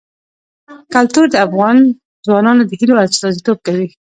کلتور د افغان ځوانانو د هیلو استازیتوب کوي.